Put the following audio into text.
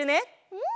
うん！